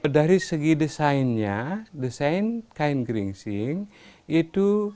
dari segi desainnya desain kain geringsing itu